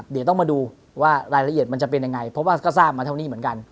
เดี๋ยวต้องมาดูว่ารายละเอียดมันจะเป็นยังไงเพราะว่าก็ทราบมาเท่านี้เหมือนกัน